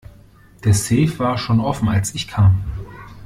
Der Safe war schon offen als ich kam.